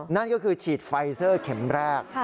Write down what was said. นั่นก็คือฉีดไฟเซอร์เข็มแรก